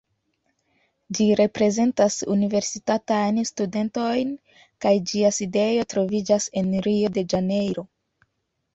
Ĝi reprezentas universitatajn studentojn kaj ĝia sidejo troviĝas en Rio de Janeiro.